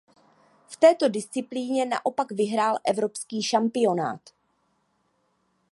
V této disciplíně naopak vyhrál evropský šampionát.